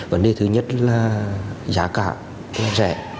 vấn đề thứ nhất là giá cả rẻ